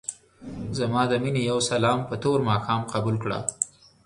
ځما دې مينې يو سلام په تور ماښام قبول کړه.